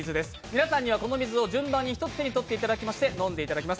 皆さんにはこの水を順番に１つ手にとっていただいて飲んでいただきます。